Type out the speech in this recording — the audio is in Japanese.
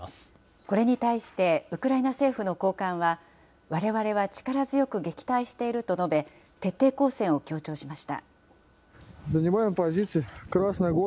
これに対してウクライナ政府の高官は、われわれは力強く撃退していると述べ、徹底抗戦を強調しました。